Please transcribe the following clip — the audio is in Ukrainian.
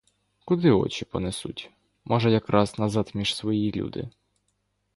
Куди очі понесуть, може, якраз назад між свої люди.